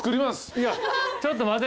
いやちょっと待って。